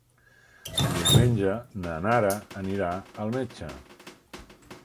Diumenge na Nara anirà al metge.